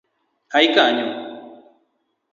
Ai kanyo!